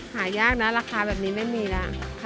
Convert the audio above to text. หายากนะราคาแบบนี้ไม่มีแล้ว